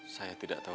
saya tidak tahu